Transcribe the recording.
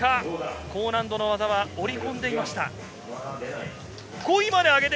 高難度の技は織り込んでいました。